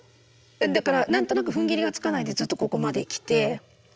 だから何となくふんぎりがつかないでずっとここまできて。